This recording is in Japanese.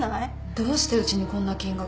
どうしてうちにこんな金額。